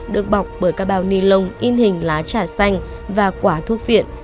được bọc bởi các bào nilon in hình lá trà xanh và quả thuốc viện